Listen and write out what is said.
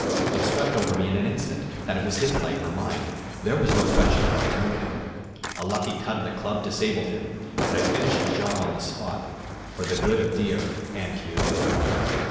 It swept over me in an instant that it was his life or mine; there was no question or alternative. A lucky cut of the club disabled him, and I finished the job on the spot, for the good of the deer and the community.